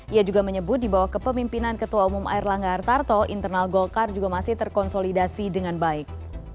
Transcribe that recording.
ia juga menyebut di bawah kepemimpinan ketua umum air langga hartarto internal golkar juga masih terkonsolidasi dengan baik